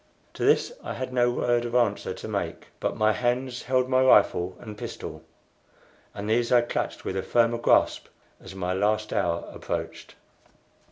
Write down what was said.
To this I had no word of answer to make; but my hands held my rifle and pistol, and these I clutched with a firmer grasp as my last hour approached.